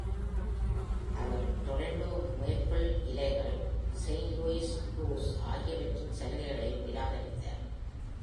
அவர் Toronto Maple இலைகள், Saint Louis Blues ஆகியவற்றின் சலுகைகளையும் நிராகரித்தார்.